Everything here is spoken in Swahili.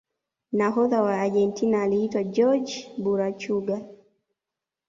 nahodha wa argentina aliitwa jorge burachuga